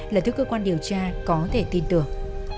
là thứ cơ quan điều tra có thể tin tưởng